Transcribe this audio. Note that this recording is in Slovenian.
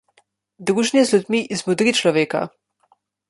Druženje z ljudmi izmodri človeka.